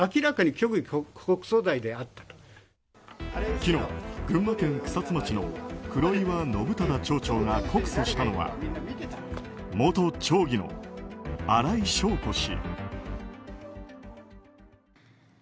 昨日、群馬県草津町の黒岩信忠町長が告訴したのは元町議の新井祥子氏。